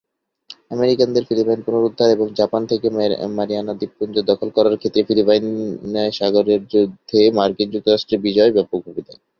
আমেরিকানদের Philippines পুনরুদ্ধার এবং Japan থেকে মারিয়ানা দ্বীপপুঞ্জ দখল করার ক্ষেত্রে ফিলিপাইন সাগরের যুদ্ধে মার্কিন যুক্তরাষ্ট্রের বিজয় ব্যাপকভাবে দায়ী।